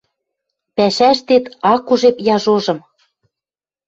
«Пӓшӓштет ак ужеп яжожым.